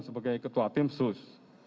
sebagai ketua tim sus